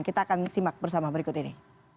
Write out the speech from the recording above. kita akan simak bersama berikut ini